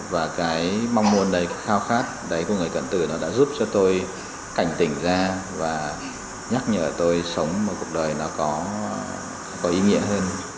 và cái mong muốn đấy khao khát đấy của người cận từ nó đã giúp cho tôi cảnh tỉnh ra và nhắc nhở tôi sống một cuộc đời nó có ý nghĩa hơn